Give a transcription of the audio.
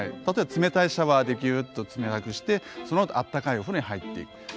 例えば冷たいシャワーでギュッと冷たくしてそのあとあったかいお風呂に入っていく。